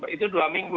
itu dua minggu